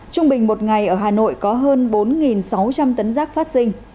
trung bình một ngày ở hà nội có hơn bốn sáu trăm linh tấn rác phát sinh